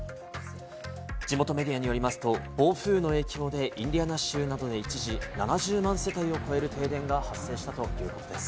地元メディアによりますと暴風雨の影響でインディアナ州などで一時、７０万世帯を超える停電が発生したということです。